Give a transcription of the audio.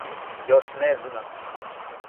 Још не зна?